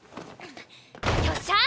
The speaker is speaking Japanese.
よっしゃ！